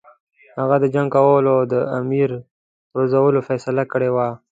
هغه د جنګ کولو او د امیر پرزولو فیصله کړې وه.